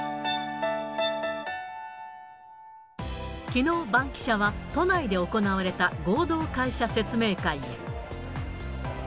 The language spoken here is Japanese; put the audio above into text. きのう、バンキシャは都内で行われた合同会社説明会へ。